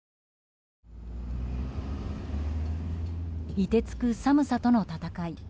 凍てつく寒さとの闘い。